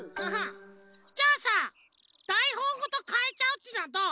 じゃあさだいほんごとかえちゃうっていうのはどう？